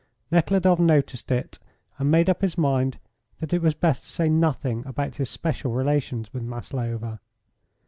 Nekhludoff noticed it, and made up his mind that it was best to say nothing about his special relations with Maslova.